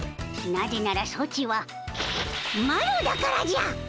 なぜならソチはマロだからじゃ！